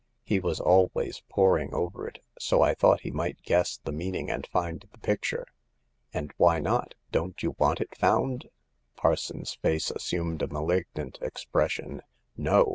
He was always poring over it, so I thought he might guess the meaning and find the picture." And why not ? Don't you want it found ?" Parsons's face assumed a malignant expression. " No